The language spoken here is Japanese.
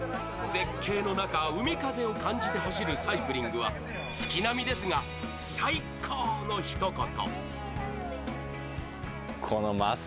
絶景の中、海風を感じて走るサイクリングは月並みですが、最高のひと言。